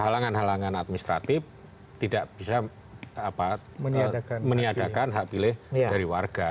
halangan halangan administratif tidak bisa meniadakan hak pilih dari warga